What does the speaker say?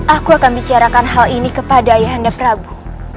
aku akan bicarakan hal ini kepada ayah anda prabu